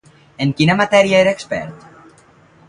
En quina matèria era expert?